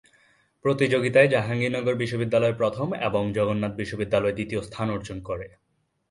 প্রতিযোগিতায় জাহাঙ্গীরনগর বিশ্ববিদ্যালয় প্রথম এবং জগন্নাথ বিশ্ববিদ্যালয় দ্বিতীয় স্থান অর্জন করে।